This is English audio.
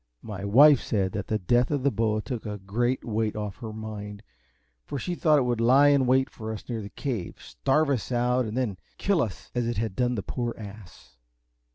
My wife said that the death of the boa took a great weight off her mind, for she thought it would lie in wait for us near the Cave, starve us out, and then kill us as it had done the poor ass.